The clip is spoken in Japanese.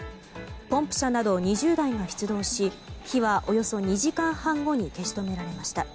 ポンプ車など２０台が出動し火はおよそ２時間半後に消し止められました。